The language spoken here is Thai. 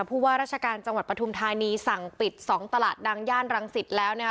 ผู้ว่าราชการจังหวัดปฐุมธานีสั่งปิด๒ตลาดดังย่านรังสิตแล้วนะคะ